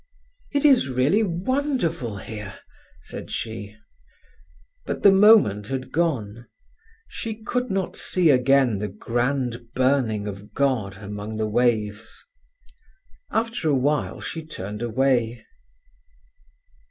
"It is really wonderful here!" said she; but the moment had gone, she could not see again the grand burning of God among the waves. After a while she turned away.